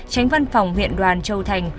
tránh văn phòng huyện đoàn châu thành